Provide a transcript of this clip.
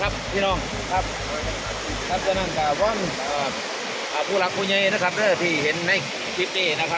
พวกมันกำลังพูดได้